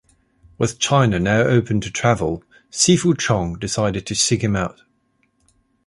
With China now open to travel, Sifu Chong decided to seek him out.